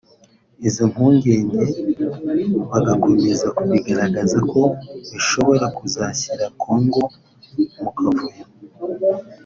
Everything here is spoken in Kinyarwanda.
izo mpungenge bagakomeza bazigaragaza ko bishobora kuzashyira Congo mu kavuyo